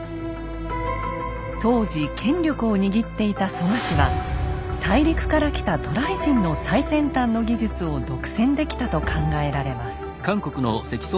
当時権力を握っていた蘇我氏は大陸から来た渡来人の最先端の技術を独占できたと考えられます。